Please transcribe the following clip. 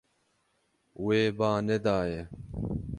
Wê ba nedaye.